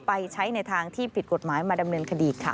ไปใช้ในทางที่ผิดกฎหมายมาดำเนินคดีค่ะ